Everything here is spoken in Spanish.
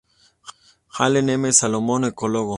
Allen M. Solomon, ecólogo"